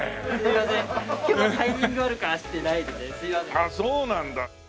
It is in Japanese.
あっそうなんだ。